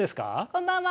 こんばんは。